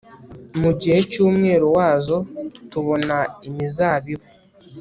Mu gihe cyumwero wazo tubona imizabibu